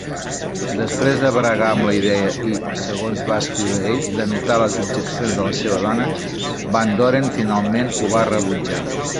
Després de bregar amb la idea i, segons va escriure ell, d'anotar les objeccions de la seva dona, Van Doren finalment ho va rebutjar.